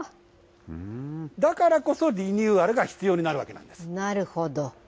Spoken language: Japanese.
だからこそ、リニューアルが必要になるわけなんです。